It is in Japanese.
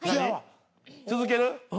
続ける？